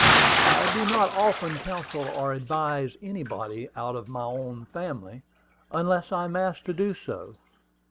"I do not often counsel or advise anybody out of my own family, unless I am asked to do so.